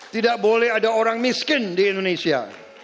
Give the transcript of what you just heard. tidak boleh ada orang miskin di indonesia